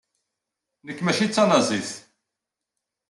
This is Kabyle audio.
Nekk mačči d tanazit.